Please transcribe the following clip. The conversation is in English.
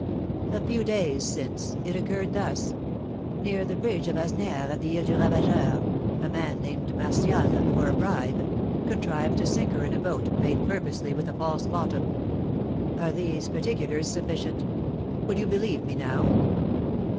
"A few days since; it occurred thus: Near the bridge of Asnières, at the Isle du Ravageur, a man named Martial, for a bribe, contrived to sink her in a boat made purposely with a false bottom. Are these particulars sufficient? Will you believe me now?"